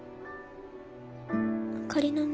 あかりのね